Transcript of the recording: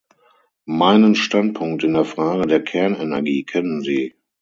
Meinen Standpunkt in der Frage der Kernenergie kennen Sie.